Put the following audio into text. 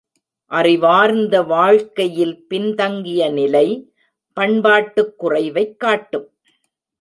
அறிவார்ந்த வாழ்க்கையில் பின்தங்கிய நிலை, பண்பாட்டுக் குறைவைக் காட்டும்.